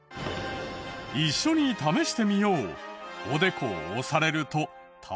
一緒に試してみよう！